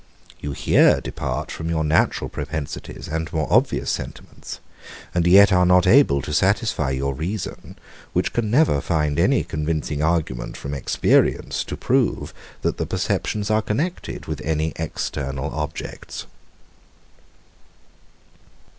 You here depart from your natural propensities and more obvious sentiments; and yet are not able to satisfy your reason, which can never find any convincing argument from experience to prove, that the perceptions are connected with any external objects.